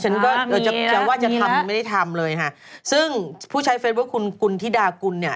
ฉันก็จะจะว่าจะทำไม่ได้ทำเลยค่ะซึ่งผู้ใช้เฟซบุ๊คคุณกุณฑิดากุลเนี่ย